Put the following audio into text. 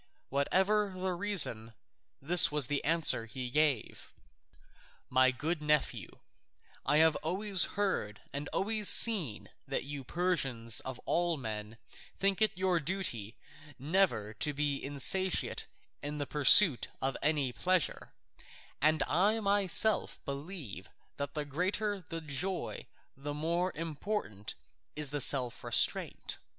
Whatever the reason, this was the answer he gave: "My good nephew, I have always heard and always seen that you Persians of all men think it your duty never to be insatiate in the pursuit of any pleasure; and I myself believe that the greater the joy the more important is self restraint.